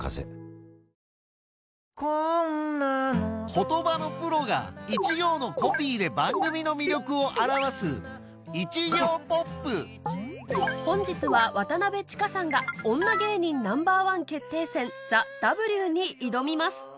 言葉のプロが一行のコピーで番組の魅力を表す本日は渡千佳さんが『女芸人Ｎｏ．１決定戦ＴＨＥＷ』に挑みます